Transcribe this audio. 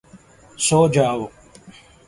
سو جاؤ!